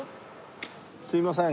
すいません。